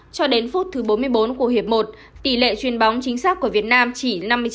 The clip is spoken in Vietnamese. cho đến phút thứ bốn mươi bốn của hiệp một tỷ lệ truyền bóng chính xác của việt nam chỉ năm mươi chín